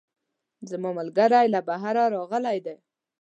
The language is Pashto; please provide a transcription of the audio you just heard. زما ملګرۍ له بهره راغلی ده